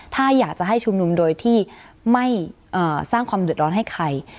ถ้าอยากจะให้ชุมนุมโดยที่ไม่สร้างความเดือดร้อนให้ใคร